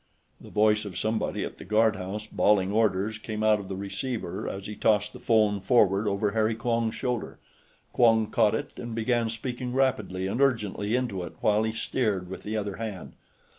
The voice of somebody at the guardhouse, bawling orders, came out of the receiver as he tossed the phone forward over Harry Quong's shoulder; Quong caught it and began speaking rapidly and urgently into it while he steered with the other hand.